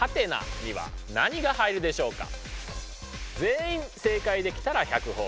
さて全員正解できたら１００ほぉ。